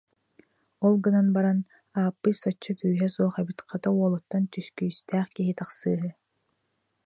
Ол гынан баран: «Ааппый соччо күүһэ суох эбит, хата, уолуттан күүстээх киһи тахсыыһы»